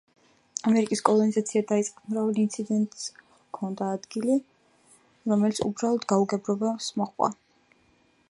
ამერიკის კოლონიზაცია დაიწყეს მრავალ ინციდენტს ჰქონდა ადგილი, რომელიც უბრალო გაუგებრობას მოჰყვა.